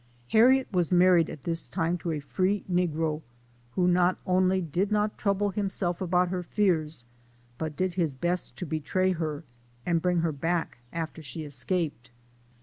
Harriet was married at this time to a free negro, who not only did not trouble him self about her fears, but did his best to betray her, and bring her back after she escaped.